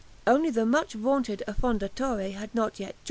Only the much vaunted "Affondatore" had not yet joined.